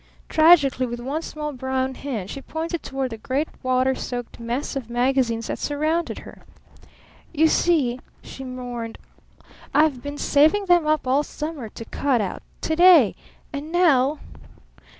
Tragically, with one small brown hand, she pointed toward the great water soaked mess of magazines that surrounded her. "You see," she mourned, "I've been saving them up all summer to cut out to day! And now?